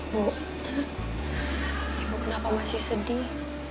bu ibu kenapa masih sedih